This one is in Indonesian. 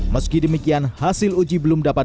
meski demikian hasil uji belum dapat